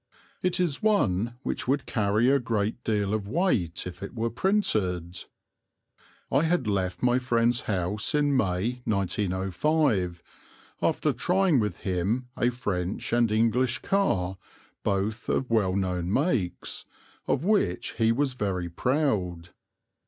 It is one which would carry a great deal of weight if it were printed. I had left my friend's house in May, 1905, after trying with him a French and English car, both of well known makes, of which he was very proud.